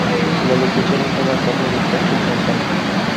La locución estaba a cargo de Cacho Fontana.